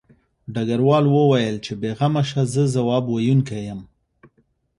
ډګروال وویل چې بې غمه شه زه ځواب ویونکی یم